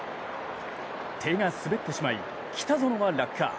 手が滑ってしまい、北園は落下。